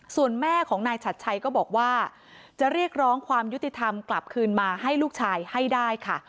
ส่วนแม่ของนายฉัดชัยก็บอกว่าจะเรียกร้องความยุติธรรมกลับคืนมาให้ลูกชายให้ได้ค่ะ